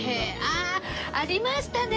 ああありましたね